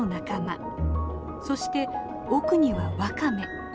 そして奥にはワカメ。